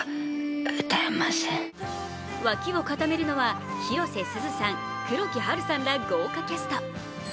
脇を固めるのは広瀬すずさん、黒木華さんら豪華キャスト。